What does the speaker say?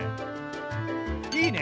いいね。